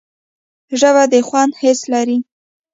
ژبه د خوند حس لري